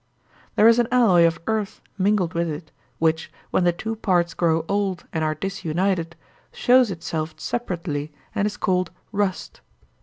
There is an alloy of earth mingled with it, which, when the two parts grow old and are disunited, shows itself separately and is called rust.